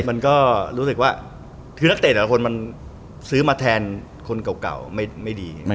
มันก็รู้สึกว่าคือนักเตะแต่ละคนมันซื้อมาแทนคนเก่าไม่ดี